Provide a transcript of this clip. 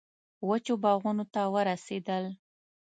وچو باغونو ته ورسېدل.